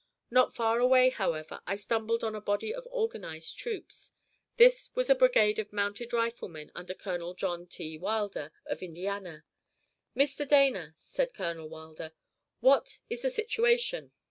Not far away, however, I stumbled on a body of organized troops. This was a brigade of mounted riflemen under Colonel John T. Wilder, of Indiana. "Mr. Dana," asked Colonel Wilder, "what is the situation?"